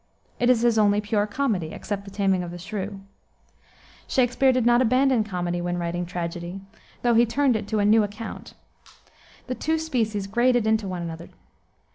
It is his only pure comedy, except the Taming of the Shrew. Shakspere did not abandon comedy when writing tragedy, though he turned it to a new account. The two species graded into one another.